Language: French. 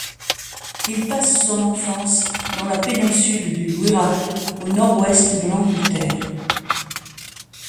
Il passe son enfance dans la péninsule de Wirral au nord-ouest de l'Angleterre.